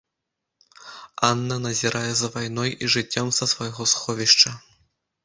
Анна назірае за вайной і жыццём са свайго сховішча.